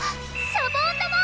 シャボン玉！